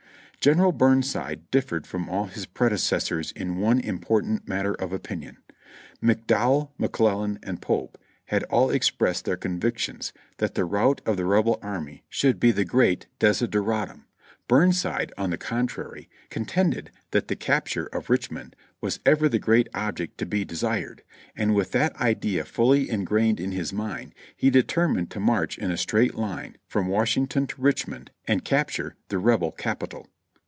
General Burnside dififered from all his predecessors in one im portant matter of opinion : McDowell, McClellan and Pope had all expressed their convictions that the rout of the Rebel army should be the great desideratum ; Burnside, on the contrary, con tended that the capture of Richmond was ever the great object to be desired, and with that idea fully ingrained in his mind he determined to march in a straight line from Washington to Rich mond and capture the Rebel Capital.